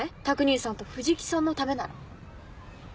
拓兄さんと藤木さんのためなら。